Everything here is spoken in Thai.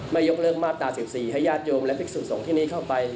ไม่ยกเลิกมาตรตาเสี่ยวสี่ไฮญาตยมและภิกษุสงฆ์ที่นี้เข้าไป